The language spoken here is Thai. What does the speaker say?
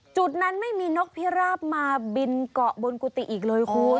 จุดนั้นไม่มีนกพิราบมาบินเกาะบนกุฏิอีกเลยคุณ